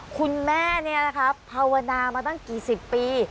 คุณแม่นี่นะครับภาวนามาตั้งกี่สิบปี